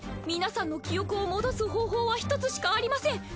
皆さんの記憶を戻す方法は一つしかありません。